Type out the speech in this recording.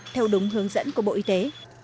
theo đúng hướng dẫn của bộ y tế